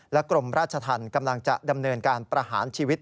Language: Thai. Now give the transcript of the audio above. กรมราชธรรมกำลังจะดำเนินการประหารชีวิต